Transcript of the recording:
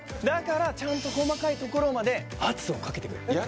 だからちゃんと細かいところまで圧をかけてくれる。